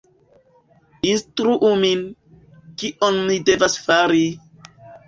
Instruu min, kion mi devas fari!